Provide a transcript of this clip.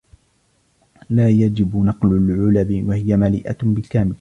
لا يجب نقل العلب و هي مليئة بالكامل.